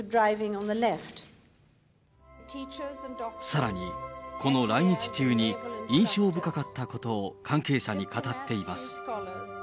さらに、この来日中に印象深かったことを関係者に語っています。